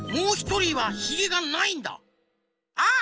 あっ！